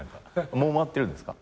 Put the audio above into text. もう回ってるんですか？